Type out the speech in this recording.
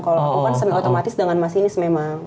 kalau kan semiautomatis dengan masinis memang